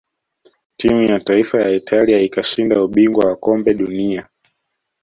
timu ya taifa ya italia ikashinda ubingwa wa kombe dunia